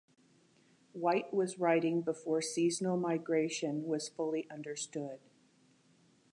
White was writing before seasonal migration was fully understood.